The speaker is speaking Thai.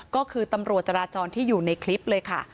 ก็คือตำรวจจราจรที่อยู่ในคลิปเลยค่ะ